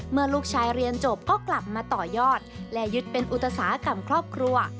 เมื่อลูกชายเรียนจบก็กลับมาต่อยอดและยึดเป็นอุตสาหกรรมครอบครัว